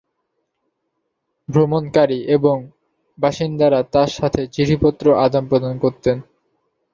ভ্রমণকারী এবং বাসিন্দারা তাঁর সাথে চিঠিপত্র আদান-প্রদান করতেন।